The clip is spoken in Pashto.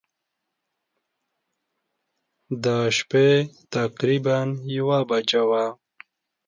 د شپې تقریباً یوه بجه وه.